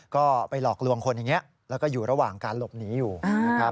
ก็ไปหลอกลวงคนอย่างนี้แล้วก็อยู่ระหว่างการหลบหนีอยู่นะครับ